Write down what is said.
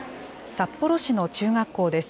札幌市の中学校です。